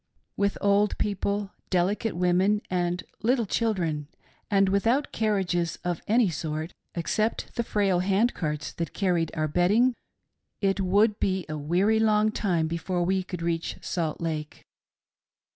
With old people, delicate women, and little children, and with out carriages of sny sort — except the frail hand carts that car 'ried our bedding — it. would be a weary long time, before we copld reach Salt Lake.